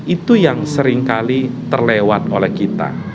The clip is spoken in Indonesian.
itu yang seringkali terlewat oleh kita